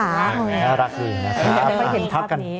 แบบนี้รักหนึ่งนะคะ